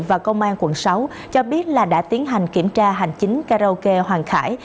và công an quận sáu cho biết là đã tiến hành kiểm tra hành chính karaoke hoàng khải